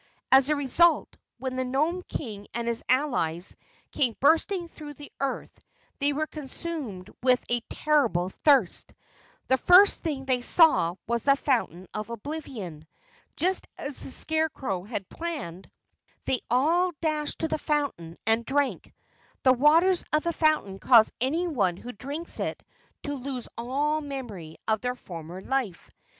As a result, when the Nome King and his allies came bursting through the earth they were consumed with a terrible thirst. The first thing they saw was the Fountain of Oblivion. Just as the Scarecrow had planned, they all dashed to the fountain and drank. The waters of this fountain cause anyone who drinks of it to lose all memory of his former life.